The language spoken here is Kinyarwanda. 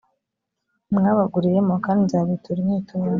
mwabaguriyemo kandi nzabitura inyiturano